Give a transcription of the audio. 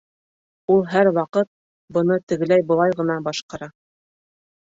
Ул һәр ваҡыт быны тегеләй-былай ғына башҡара